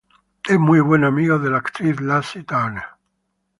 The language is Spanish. Es muy buen amigo de la actriz Lacey Turner.